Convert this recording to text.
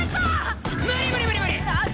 無理無理無理無理！